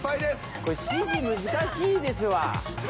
これ指示難しいですわ。